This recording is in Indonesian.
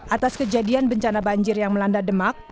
atas kejadian bencana banjir yang melanda demak